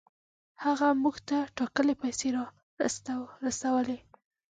هغه موږ ته ټاکلې پیسې را رسولې.